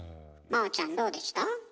真央ちゃんどうでした？